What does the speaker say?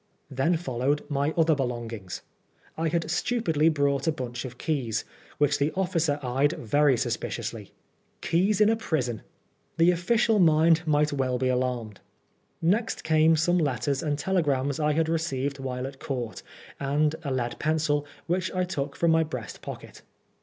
Then followed my other belongings. I had stupidly brought a bunch of keys, which the officer eyed very suspiciously. Keys in a prison! The official mind might well be alarmed. Next came some letters and telegrams I had received while in Court, and a lead pencil, which I took from my breast pocket.